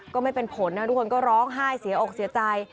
ไม่เป็นผลนะทุกคนก็ร้องไห้เสียอกเสียใจ